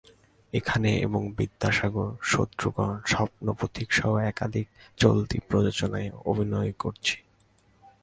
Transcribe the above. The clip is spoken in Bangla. এখানে এবং বিদ্যাসাগর, শত্রুগণ, স্বপ্ন পথিকসহ একাধিক চলতি প্রযোজনায় অভিনয় করছি।